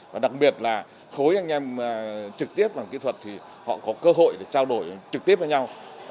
và đặc biệt là khối anh em trực tiếp bằng kỹ thuật thì họ có cơ hội để trao đổi trực tiếp với nhau